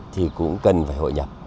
thì cũng cần phải hội nhập